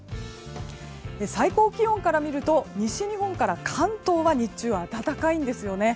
最高気温から見ると西日本から関東は日中、暖かいんですよね。